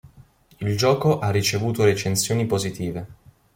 Il gioco ha ricevuto recensioni positive.